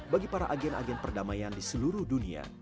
bagi para agen agen perdamaian di seluruh dunia